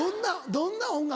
どんな音楽？